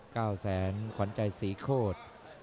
ก้าวแสนขวัญใจสี่โคด